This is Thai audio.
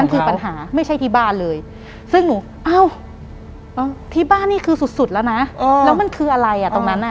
คือปัญหาไม่ใช่ที่บ้านเลยซึ่งหนูเอ้าที่บ้านนี่คือสุดแล้วนะแล้วมันคืออะไรอ่ะตรงนั้นอ่ะ